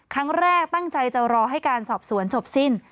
ครั้งแรกตั้งใจจะรอให้การสอบสวนจบสิ้น